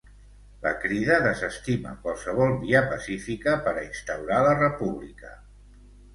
La Crida desestima qualsevol via pacífica per a instaurar la República.